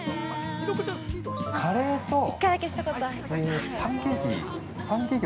◆カレーとパンケーキ。